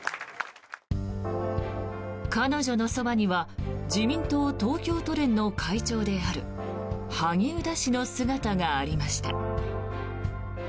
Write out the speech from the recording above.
彼女のそばには自民党東京都連の会長である萩生田氏の姿がありました。